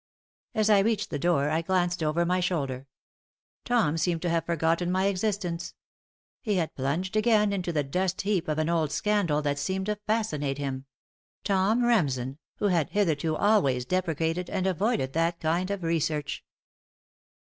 As I reached the door, I glanced over my shoulder. Tom seemed to have forgotten my existence. He had plunged again into the dust heap of an old scandal that seemed to fascinate him Tom Remsen, who had hitherto always deprecated and avoided that kind of research.